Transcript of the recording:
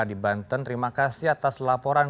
di banten terima kasih atas laporan